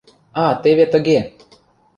— А теве тыге!